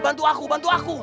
bantu aku bantu aku